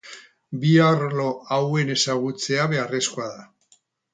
Bi arlo hauen ezagutzea beharrezkoa da.